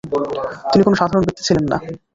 তিনি কোন সাধারণ ব্যক্তি ছিলেন না।